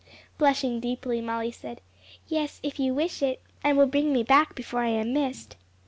Blushing deeply, Molly said, "Yes, if you wish it, and will bring me back before I am missed."